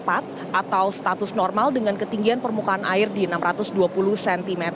atau status normal dengan ketinggian permukaan air di enam ratus dua puluh cm